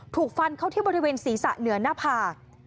ถูกฟันเขาที่บริเวณศีรษะเหนือหน้าผาก